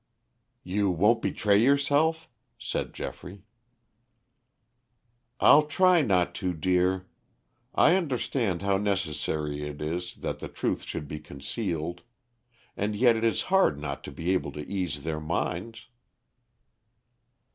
"You won't betray yourself?" said Geoffrey. "I'll try not to, dear. I understand how necessary it is that the truth should be concealed. And yet it is hard not to be able to ease their minds."